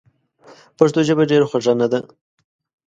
پښتو ژبه ډېره خوږه نده؟!